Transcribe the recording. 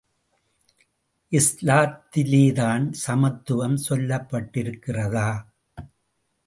இஸ்லாத்திலேதான் சமத்துவம் சொல்லப்பட்டிருக்கிறதா?